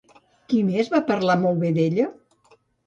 Qui més va parlar molt bé d'ella?